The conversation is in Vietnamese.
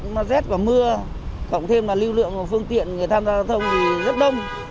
mưa cộng thêm là lưu lượng phương tiện người tham gia giao thông thì rất đông